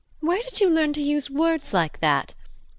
Where did you learn to use words like that?